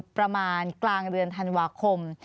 ประมาณกลางเดือนธันวาคม